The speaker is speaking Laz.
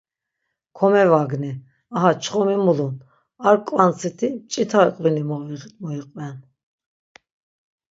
Komevagni. Aha çxomi mulun, ar qvantziti mç̌ita ğvini momiğit mu iqven.